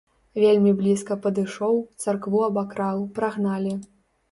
Вельмі блізка падышоў, царкву абакраў, прагналі.